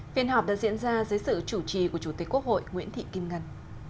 phiên họp đã diễn ra dưới sự chủ trì của chủ tịch quốc hội nguyễn thị kim ngân